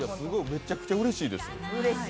めちゃくちゃうれしいですよ。